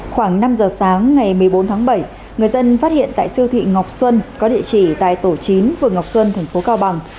khoảng năm giờ sáng ngày một mươi bốn tháng bảy người dân phát hiện tại siêu thị ngọc xuân có địa chỉ tại tổ chín phường ngọc xuân tp cao bằng